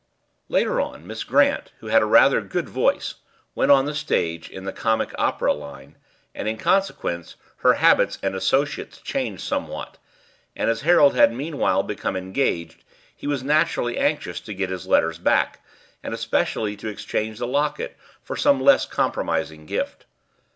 "Later on Miss Grant, who had a rather good voice, went on the stage, in the comic opera line, and, in consequence, her habits and associates changed somewhat; and, as Harold had meanwhile become engaged, he was naturally anxious to get his letters back, and especially to exchange the locket for some less compromising gift.